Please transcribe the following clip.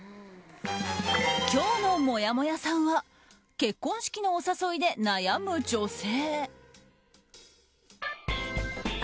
今日のもやもやさんは結婚式のお誘いで悩む女性。